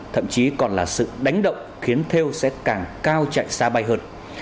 thậm chí còn là sự đánh động khiến thêu sẽ càng cao chạy xa bay hơn